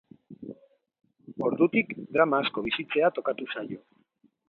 Ordutik, drama asko bizitzea tokatu zaio.